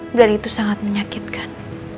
benar itu sangat menyakitkan